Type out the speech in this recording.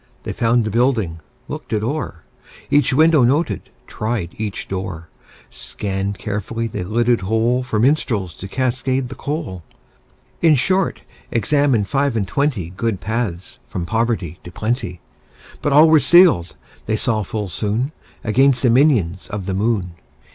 They found the building, looked it o'er, Each window noted, tried each door, Scanned carefully the lidded hole For minstrels to cascade the coal In short, examined five and twenty Good paths from poverty to plenty. But all were sealed, they saw full soon, Against the minions of the moon.